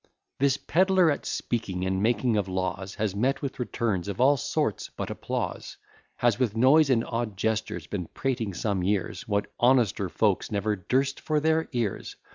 This pedler, at speaking and making of laws, Has met with returns of all sorts but applause; Has, with noise and odd gestures, been prating some years, What honester folk never durst for their ears.